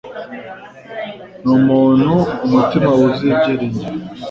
Ni umuntu umutima wuzuye ibyiringiro.